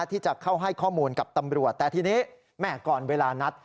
ที่จะเข้าให้ข้อมูลกับตำรวจแต่ทีนี้แม่ก่อนเวลานัด